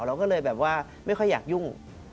เราก็เลยแบบว่าไม่ค่อยอยากยุ่ง